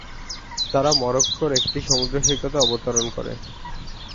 তারা মরক্কোর একটি সমুদ্র সৈকতে অবতরণ করে।